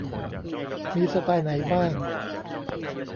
มีสไตล์ไหนบ้าง